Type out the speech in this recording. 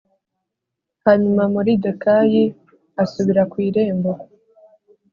Hanyuma Moridekayi asubira ku irembo